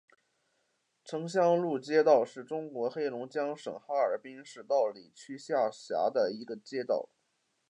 城乡路街道是中国黑龙江省哈尔滨市道里区下辖的一个街道。